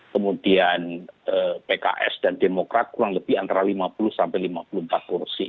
kemudian pks dan demokrat kurang lebih antara lima puluh sampai lima puluh empat kursi